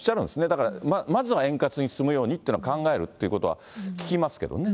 だからまずは円滑に進むようにって考えるということは聞きますけ